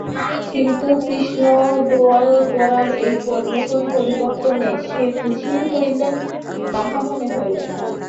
কিন্তু কৃষ্ণদয়াল গোরার এই নূতন পরিবর্তনে যে খুশি হইলেন তাহা মনে হইল না।